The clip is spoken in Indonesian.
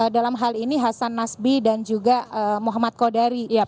dalam hal ini hasan nasbi dan juga muhammad kodari